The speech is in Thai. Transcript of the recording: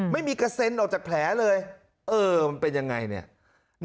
ไม่มีกระเซ็นออกจากแผลเลยเออมันเป็นยังไงเนี่ย